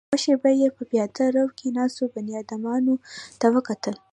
يوه شېبه يې په پياده رو کې ناستو بنيادمانو ته وکتل.